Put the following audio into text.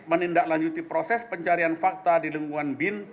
menindaklanjuti proses pencarian fakta di lingkungan bin